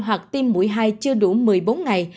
hoặc tiêm mũi hai chưa đủ một mươi bốn ngày